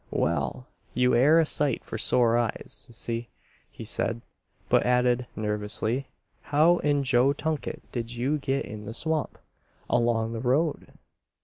"Well! You air a sight for sore eyes, Sissy," he said; but added, nervously, "How in Joe Tunket did you git in the swamp? Along the road?"